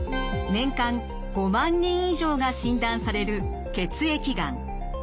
年間５万人以上が診断される血液がん。